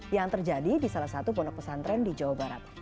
yang terjadi di salah satu pondok pesantren di jawa barat